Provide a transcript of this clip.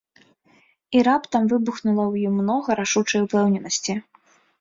І раптам выбухнула ў ім многа рашучай упэўненасці.